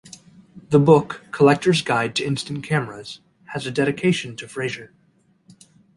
The book "Collector's Guide to Instant Cameras" has a dedication to Fraser.